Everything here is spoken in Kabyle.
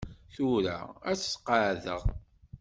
Tura ad t-qeɛɛdeɣ.